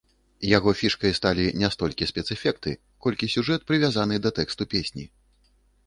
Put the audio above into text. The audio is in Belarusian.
Яго фішкай сталі не столькі спецэфекты, колькі сюжэт, прывязаны да тэксту песні.